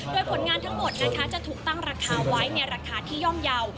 โดยผลงานทั้งหมดนะคะจะถูกตั้งราคาไว้ในราคาที่ย่อมเยาว์